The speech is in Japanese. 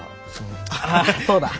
ああそうだ！